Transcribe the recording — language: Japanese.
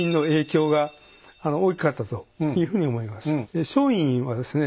で松陰はですね